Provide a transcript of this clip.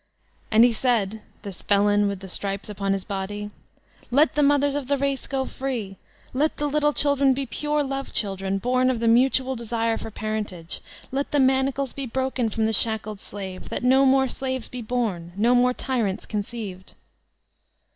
And he said, this felon with the stripes upon his body, "Let the mothers of the race go freel Let the little children be pure love children, bom of the mutual desire for parentage. Let the manacles be broken from the shadded slave, that no more slaves be born, no more tyrants conceived.'